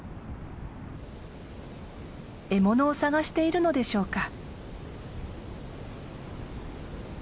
獲物を探しているのでしょうか。